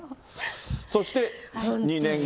そして２年後。